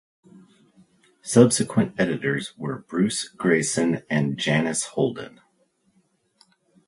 Subsequent editors were Bruce Greyson and Janice Holden.